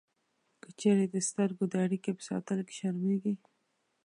که چېرې د سترګو د اړیکې په ساتلو کې شرمېږئ